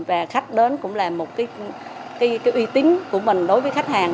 và khách đến cũng là một cái uy tín của mình đối với khách hàng